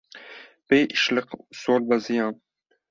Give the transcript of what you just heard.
bê îşlig û sol beziyam